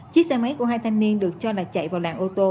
chiếc xe máy của hai thanh niên được cho là chạy vào làng ô tô